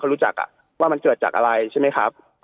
รู้จักว่ามันเกิดจากอะไรใช่ไหมครับ